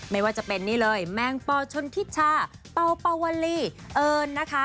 ไม่ว่าจะเป็นนี่เลยแมงปอชนทิชาเป่าเป่าวลีเอิญนะคะ